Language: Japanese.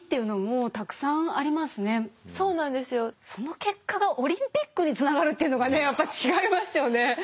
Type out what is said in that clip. その結果がオリンピックにつながるっていうのがねやっぱ違いますよね。